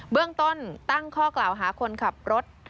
เรื่องต้นตั้งข้อกล่าวหาคนขับรถ